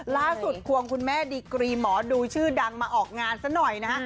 ล่าสุดควงคุณแม่ดีกรีหมอดูชื่อดังมาออกงานสักหน่อยนะ